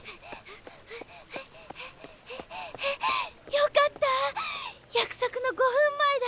よかった約束の５分前だ。